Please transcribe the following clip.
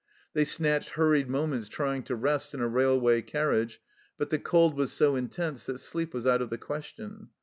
They snatched hurried moments trying to rest in a rail way carriage, but the cold was so intense that sleep was out of the question.